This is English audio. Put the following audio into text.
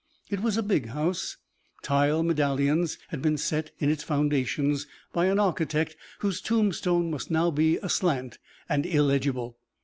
It was a big house; tile medallions had been set in its foundations by an architect whose tombstone must now be aslant and illegible.